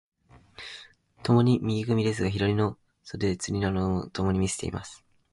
共に右組ですが、左の袖釣などをともに見せています。